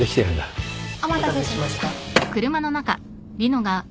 お待たせしました。